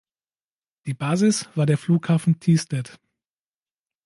Die Basis war der Flughafen Thisted.